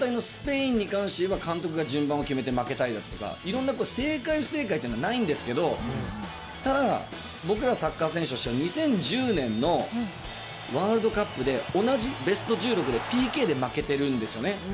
反対のスペインに関していえば、監督が順番を決めて負けたりだとか、いろんな正解、不正解というのはないんですけど、ただ、僕らサッカー選手としては、２０１０年のワールドカップで同じベスト１６でＰＫで負けてるんですよね。